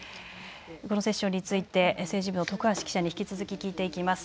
このセッションについて政治部の徳橋記者に引き続き聞いていきます。